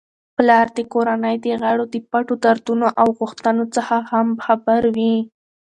پلار د کورنی د غړو د پټو دردونو او غوښتنو څخه هم خبر وي.